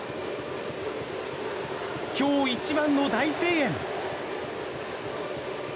今日、一番の大声援。